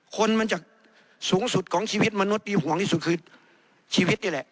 คนมันจะสูงสุดของชีวิตมนุษย์มีห่วงที่สุดคือชีวิตนี่แหละ